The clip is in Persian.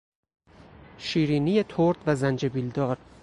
شیرینی ترد و زنجبیل دار